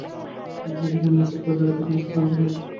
ফলে প্যাকেজ মূসক বজায় রাখার সিদ্ধান্ত সঠিক হয়েছে বলেই মনে হয়।